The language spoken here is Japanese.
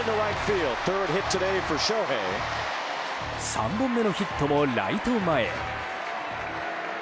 ３本目のヒットもライト前。